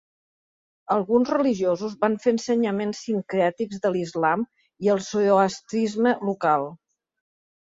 Alguns religiosos van fer ensenyaments sincrètics de l'Islam i el Zoroastrisme local.